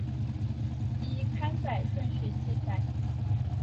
依刊载顺序记载。